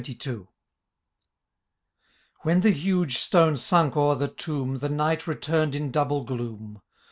Wlien the huge stone sunk o^ei the tomb. The night returned in double gloom